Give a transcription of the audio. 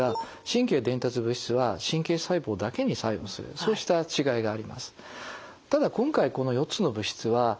そうした違いがあります。